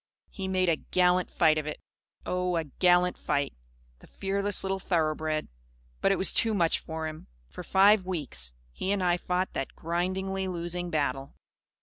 He made a gallant fight of it oh, a gallant fight! the fearless little thoroughbred! But it was too much for him. For five weeks, he and I fought that grindingly losing battle.